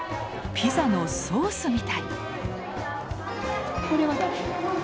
ピザのソースみたい！